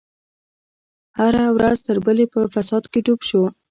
هره ورځ تر بلې په فساد کې ډوب شو.